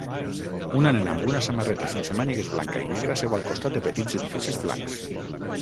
Una nena amb una samarreta sense mànigues blanca i negra seu al costat de petits edificis blancs.